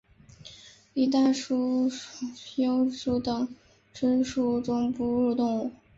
里氏袋鼬属等之数种哺乳动物。